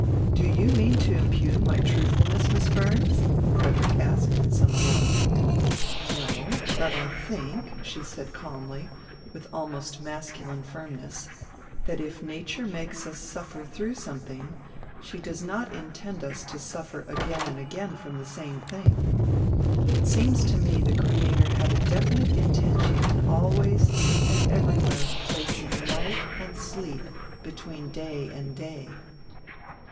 "Do you mean to impugn my truthfulness, Miss Burns?" Frederick asked in some alarm. "No, but I think," she said calmly, with almost masculine firmness, "that if nature makes us suffer through something, she does not intend us to suffer again and again from the same thing. It seems to me the Creator had a definite intention in always and everywhere placing night and sleep between day and day."